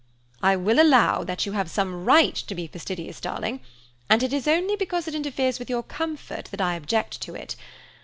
"I will allow you have some right to be fastidious, darling; and it is only because it interferes with your comfort that I object to it.